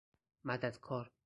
مددکار